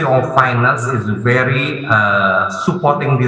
kepala kepala kepala kepala kepala kepala